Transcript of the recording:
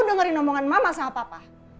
dengerin omongan mama sama papa